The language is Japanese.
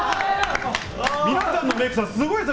皆さんのメークさん、すごいですね。